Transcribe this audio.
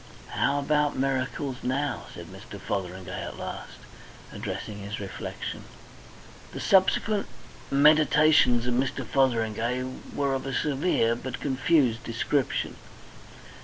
"How about miracles now?" said Mr. Fotheringay at last, addressing his reflection. The subsequent meditations of Mr. Fotheringay were of a severe but confused description.